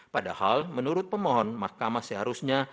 padahal menurut pemohon mahkamah seharusnya